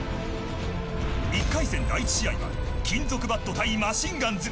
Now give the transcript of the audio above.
１回戦第１試合は金属バット対マシンガンズ。